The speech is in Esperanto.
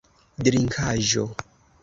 drinkaĵo